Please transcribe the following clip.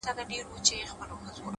نور به شاعره زه ته چوپ ووسو _